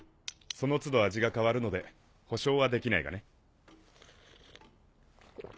その都度味が変わるので保証はできないがね。